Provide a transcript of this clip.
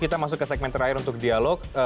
kita masuk ke segmen terakhir untuk dialog